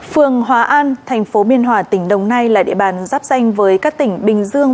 phường hòa an thành phố biên hòa tỉnh đồng nai là địa bàn giáp danh với các tỉnh bình dương